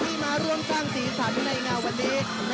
ที่มาร่วมสร้างสีสันในงานวันนี้